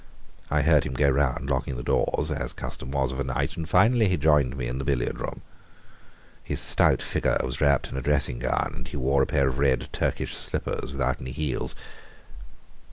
I heard him go round locking the doors, as custom was of a night, and finally he joined me in the billiard room. His stout figure was wrapped in a dressing gown, and he wore a pair of red Turkish slippers without any heels.